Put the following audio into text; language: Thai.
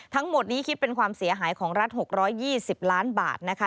ทั้งหมดนี้คิดเป็นความเสียหายของรัฐ๖๒๐ล้านบาทนะคะ